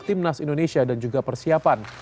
timnas indonesia dan juga persiapan